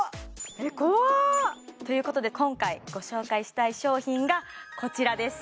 えっ怖っ！ということで今回ご紹介したい商品がこちらです